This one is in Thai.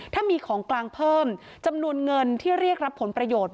ถ้ามีของกลางเพิ่มจำนวนเงินที่เรียกรับผลประโยชน์